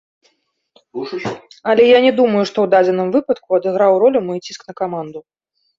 Але я не думаю, што ў дадзеным выпадку адыграў ролю мой ціск на каманду.